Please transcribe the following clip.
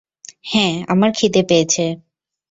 হ্যাঁ, আমার খিদে পেয়েছে।